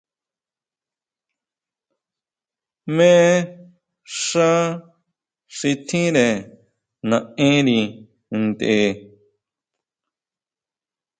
Jmé xá xi tjínre naʼenri ntʼe.